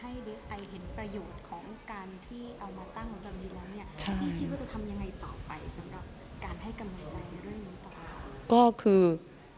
แบบนี้แล้วเนี่ยใช่พี่คิดว่าจะทำยังไงต่อไปสำหรับการให้กำลังใจในเรื่องนี้ต่อ